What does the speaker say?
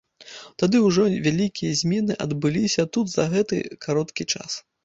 Тады ўжо вялікія змены адбыліся тут за гэты кароткі час.